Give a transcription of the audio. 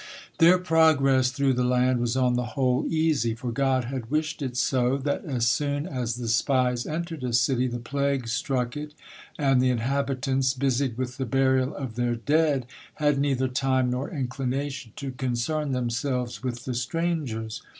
Their progress through the land was on the whole easy, for God had wished it so, that as soon as the spies entered a city, the plague struck it, and the inhabitants, busied with the burial of their dead, had neither time nor inclination to concern themselves with the strangers.